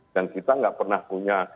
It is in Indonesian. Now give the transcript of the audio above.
dan kita tidak pernah punya